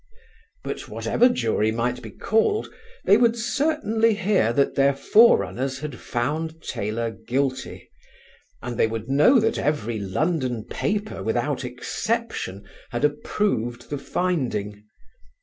But whatever jury might be called they would certainly hear that their forerunners had found Taylor guilty and they would know that every London paper without exception had approved the finding.